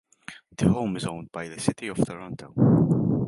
The home is owned by the City of Toronto.